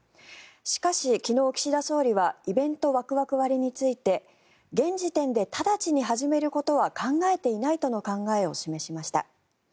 しかし昨日、岸田総理はイベントワクワク割について現時点で直ちに始めることは考えていないとの考えを示しました。